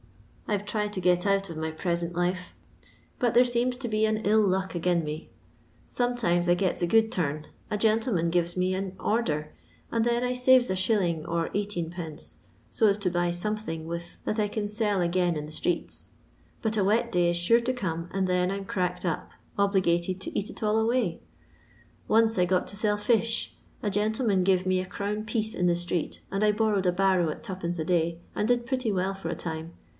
I 've tried to get out of my present life, but there seems to be an ill luck again me. Boraetimet I gets 1 good turn. A gentleman giTet me an order, and then I nres a shilling or dgfateen pence, so as to buy something with that I can acU again in the streets ; but a wet day is sure to come, and then I 'm cracked up, obligated to eat it all away. Once I got to sell fish. A gentle man give me a crown piece in the itreet, and I borrowed a barrow at 2d. a day, and did pretty well for a time.